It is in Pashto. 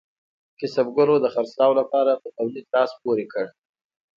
کسبګرو د خرڅلاو لپاره په تولید لاس پورې کړ.